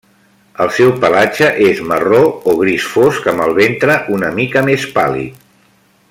El seu pelatge és marró o gris fosc, amb el ventre una mica més pàl·lid.